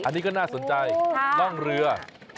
อันนี้ก็น่าสนใจร่องเรือ